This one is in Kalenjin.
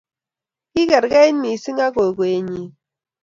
kikerkeit mising ak kokoenyin